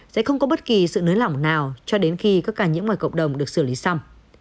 sẽ không có bất kỳ sự nới lỏng nào cho đến khi các cả những ngoài cộng đồng được xử lý xong